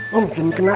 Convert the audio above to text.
mungkin kena uang